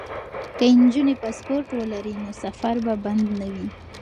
که نجونې پاسپورټ ولري نو سفر به بند نه وي.